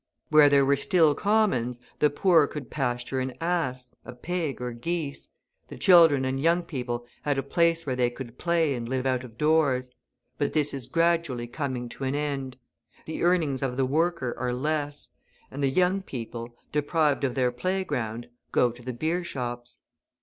Where there were still commons, the poor could pasture an ass, a pig, or geese, the children and young people had a place where they could play and live out of doors; but this is gradually coming to an end. The earnings of the worker are less, and the young people, deprived of their playground, go to the beer shops.